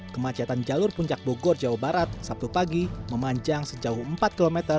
kemacetan jalur puncak bogor jawa barat sabtu pagi memanjang sejauh empat km